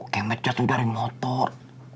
kemet jatuh dari motor